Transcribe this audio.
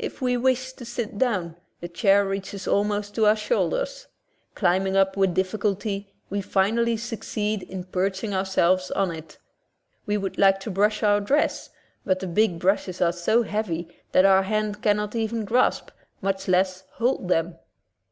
If we wish to sit down, the chair reaches almost to our shoulders. Climbing up with difficulty, we finally succeed in perch ing ourselves on it. We would like to brush our dress, but the big brushes are so heavy that our hand cannot even grasp, much less hold, them.